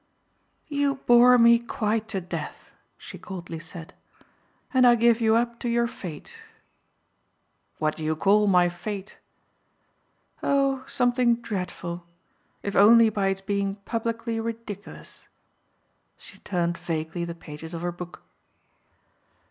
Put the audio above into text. "You bore me quite to death," she coldly said, "and I give you up to your fate." "What do you call my fate?" "Oh something dreadful if only by its being publicly ridiculous." She turned vaguely the pages of her book.